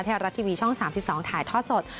ประเทศรัทย์ทีวีช่อง๓๒ถ่ายทอดสด